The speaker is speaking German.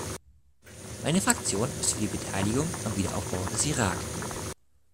Meine Fraktion ist für die Beteiligung am Wiederaufbau des Irak.